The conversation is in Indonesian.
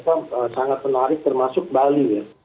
dan yang memiliki destinasi sangat menarik termasuk bali ya